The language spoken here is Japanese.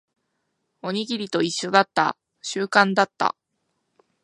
おにぎりと一緒だった。習慣だった。